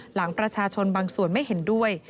หลังประชาชนบางส่วนไม่เห็นด้วย